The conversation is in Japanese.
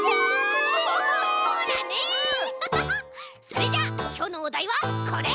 それじゃあきょうのおだいはこれ！